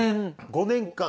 ５年間。